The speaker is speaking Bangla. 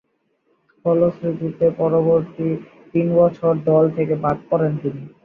ফলশ্রুতিতে পরবর্তী তিন বছর দল থেকে বাদ পড়েন তিনি।